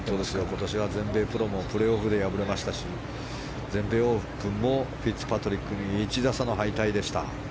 今年は全米プロもプレーオフで敗れましたし全米オープンもフィッツパトリックに１打差の敗退でした。